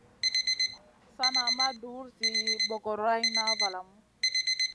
Sana ma dur zi bogorayna valamu.